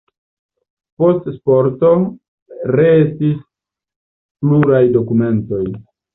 Post Sparto restis pluraj dokumentoj.